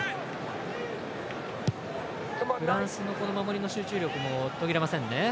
フランスの守りの集中力も途切れませんね。